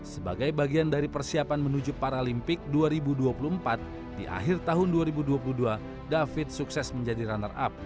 sebagai bagian dari persiapan menuju paralimpik dua ribu dua puluh empat di akhir tahun dua ribu dua puluh dua david sukses menjadi runner up